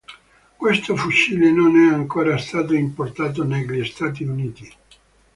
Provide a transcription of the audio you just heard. Questo fucile non è ancora stato importato negli Stati Uniti.